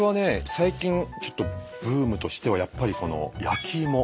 最近ちょっとブームとしてはやっぱり焼き芋。